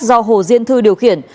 do hồ diện thư điều khiển